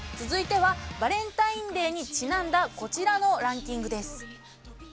続いてはバレンタインデーにちなんだこちらのランキングです。